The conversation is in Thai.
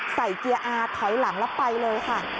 ใส่เกียร์อาทเข้าอีกหลังแล้วไปเลยค่ะ